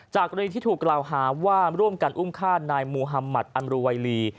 กรณีที่ถูกกล่าวหาว่าร่วมกันอุ้มฆ่านายมูฮัมมัติอันรูไวลี